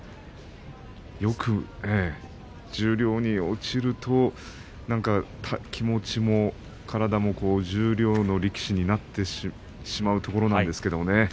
よく十両に落ちると気持ちも体も十両の力士になってしまうところなんですけどね。